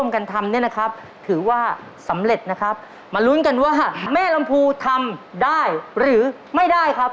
ครับครับ๕ที